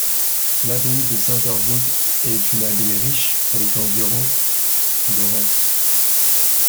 L'abbaye de Saint-Évroult est une abbaye riche avec environ de rente.